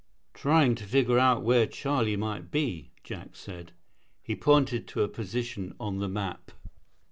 "Trying to figure out where Charlie might be," Jack said. He pointed to a position on the map.